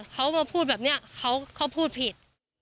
เขามาพูดแบบนี้เขาพูดผิด